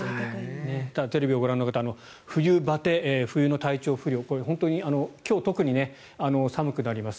テレビをご覧の方冬バテ、冬の体調不良これ、本当に今日は特に寒くなります。